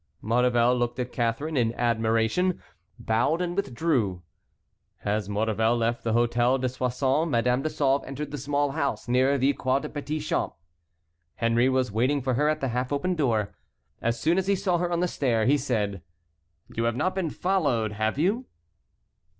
Maurevel looked at Catharine in admiration, bowed, and withdrew. As Maurevel left the Hôtel de Soissons Madame de Sauve entered the small house near the Croix des Petits Champs. Henry was waiting for her at the half open door. As soon as he saw her on the stairs, he said: "You have not been followed, have you?"